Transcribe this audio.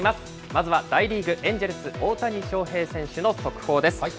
まずは大リーグ・エンジェルス、大谷翔平選手の速報です。